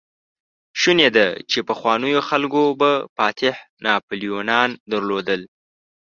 شونې ده، چې پخوانيو خلکو به فاتح ناپليونان درلودل.